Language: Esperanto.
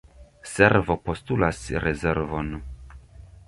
Servo postulas reservon.